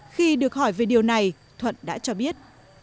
khi được hỏi về điều này thuận đã cho biết